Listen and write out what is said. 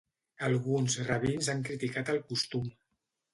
Alguns rabins han criticat el costum.